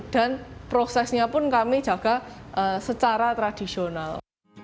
dan prosesnya pun kami jaga secara tradisional